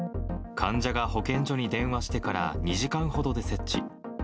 患者が保健所に電話してから２時間ほどで設置。